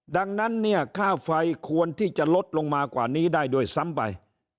ดังนั้นเนี่ยค่าไฟควรที่จะลดลงมากว่านี้ได้ด้วยซ้ำไป